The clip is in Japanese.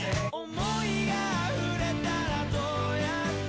「想いがあふれたらどうやって」